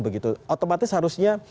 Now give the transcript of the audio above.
begitu otomatis harusnya